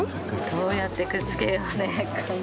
どうやってくっつけようね。